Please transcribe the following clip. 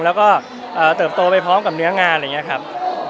แล้วก็เติบโตไปพร้อมกับเนื้องานอะไรอย่างนี้ครับ